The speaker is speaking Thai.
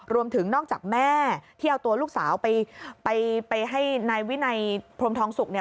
รวมถึงนอกจากแม่ที่เอาตัวลูกสาวไปไปให้นายวินัยพรมทองสุกเนี่ย